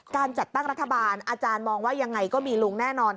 การจัดตั้งรัฐบาลอาจารย์มองว่ายังไงก็มีลุงแน่นอน